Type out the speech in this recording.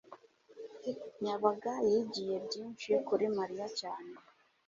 ndabaga yigiye byinshi kuri mariya cyane